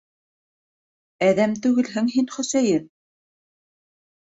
Әҙәм түгелһең һин, Хөсәйен!